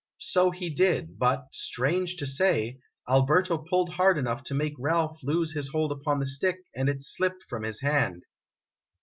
So he did; but, strange to say, Alberto pulled hard enough to make Ralph lose his hold upon the stick, and it slipped from his hand.